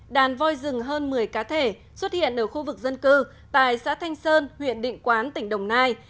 đàn voi rừng hơn một mươi cá thể xuất hiện ở khu vực dân cư tại xã thanh sơn huyện định quán tỉnh đồng nai